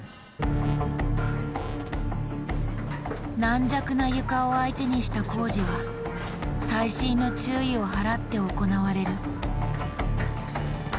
軟弱な床を相手にした工事は最新の注意を払って行われる。